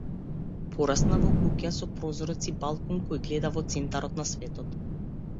Пораснав во куќа со прозорец и балкон кој гледа во центарот на светот.